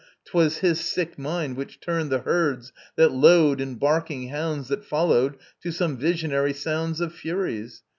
'Twas his sick mind Which turned the herds that lowed and barking hounds That followed, to some visionary sounds Of Furies.